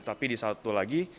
tapi di satu lagi